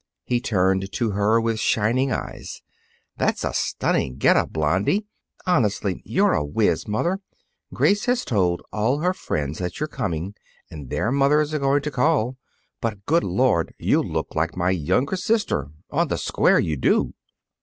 He turned to her with shining eyes. "That's a stunning get up, Blonde. Honestly, you're a wiz, mother. Grace has told all her friends that you're coming, and their mothers are going to call. But, good Lord, you look like my younger sister, on the square you do!"